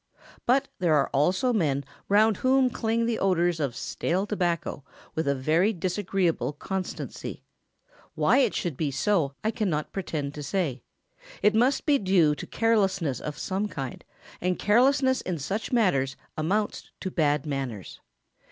But there are also men round whom cling the odours of stale tobacco with a very disagreeable constancy. Why it should be so I cannot pretend to say. It must be due to carelessness of some kind, and carelessness in such matters amounts to bad manners.